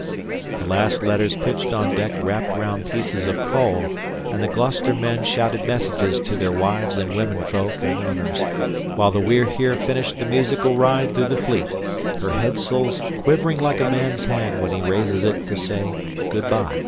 The last letters pitched on deck wrapped round pieces of coal, and the Gloucester men shouted messages to their wives and womenfolks and owners, while the We're Here finished the musical ride through the Fleet, her headsails quivering like a man's hand when he raises it to say good by.